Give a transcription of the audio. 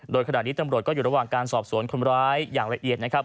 โดยขณะนี้ตำรวจก็อยู่ระหว่างการสอบสวนคนร้ายอย่างละเอียดนะครับ